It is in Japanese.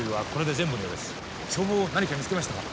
消防何か見つけましたか？